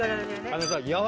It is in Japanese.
あのさ。